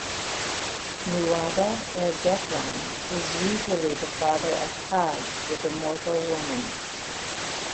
Nuada Airgetlam is usually the father of Tadg with a mortal woman.